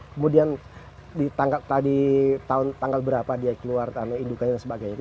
kemudian di tanggal tadi tahun tanggal berapa dia keluar tahun indukan dan sebagainya